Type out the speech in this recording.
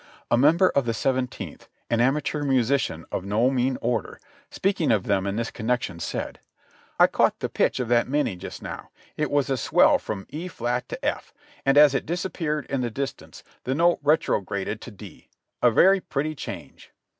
A member of the Seventeenth, an amateur musician of no mean order, speak ing of them in this connection said : "I caught the pitch of that Minie just now ; it was a swell from E fiat to F, and as it disappeared in the distance the note retrograded to D, a very pretty change."